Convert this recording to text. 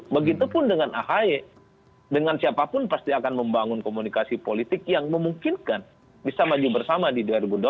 begitupun dengan ahy dengan siapapun pasti akan membangun komunikasi politik yang memungkinkan bisa maju bersama di dua ribu dua puluh empat